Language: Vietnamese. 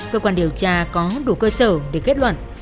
cơ quan điều tra có đủ cơ sở để kết luận